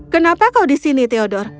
kenapa kau di sini theodor